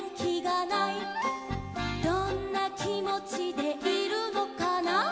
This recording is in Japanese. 「どんなきもちでいるのかな」